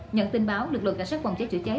nhận tin báo lực lượng cảnh sát phòng cháy chữa cháy